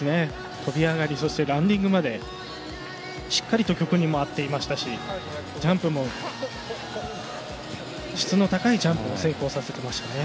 跳び上がり、ランディングまでしっかりと曲にも合っていましたしジャンプも質の高いジャンプを成功させました。